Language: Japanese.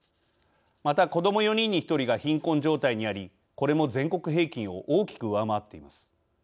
また、子ども４人に１人が貧困状態にありこれも全国平均を大きく上回っています。